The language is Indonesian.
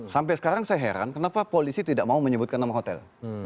sampai sekarang saya heran kenapa polisi tidak mau menyebutkan nama hotel